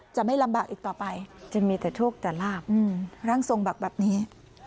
จะไม่ลำบากอีกต่อไปจะมีแต่โชคแต่ลาบร่างทรงบอกแบบนี้